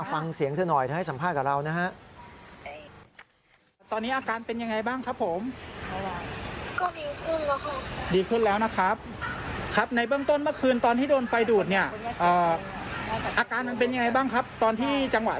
ฟังเสียงเธอหน่อยเธอให้สัมภาษณ์กับเรานะฮะ